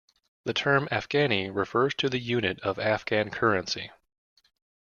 The term "Afghani" refers to the unit of Afghan currency.